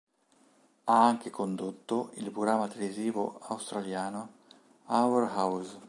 Ha anche condotto il programma televisivo australiano "Our House".